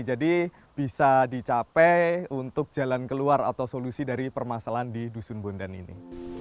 jadi bisa dicapai untuk jalan keluar atau solusi dari permasalahan di dusun bondan ini